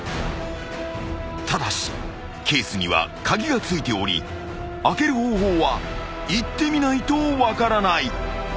［ただしケースには鍵がついており開ける方法は行ってみないと分からない］